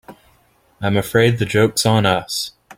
I'm afraid the joke's on us.